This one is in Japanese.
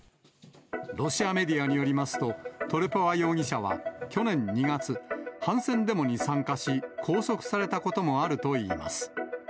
ロシアメディアによりますと、トレポワ容疑者は去年２月、反戦デモに参加し、拘束されたこともあるといいます。